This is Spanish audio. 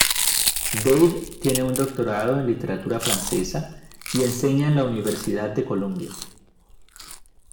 Dave tiene un doctorado en literatura francesa y enseña en la Universidad de Columbia.